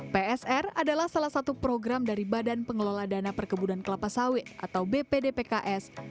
psr adalah salah satu program dari badan pengelola dana perkebunan kelapa sawit atau bpdpks